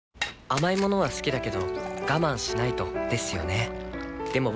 甘い物は好きだけど我慢しないとですよね